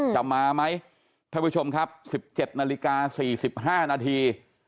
จะมาไหมท่านผู้ชมครับ๑๗นาฬิกา๔๕นาที